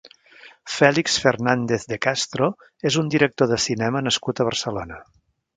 Félix Fernández de Castro és un director de cinema nascut a Barcelona.